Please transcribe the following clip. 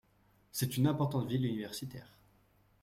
C’est une importante ville universitaire.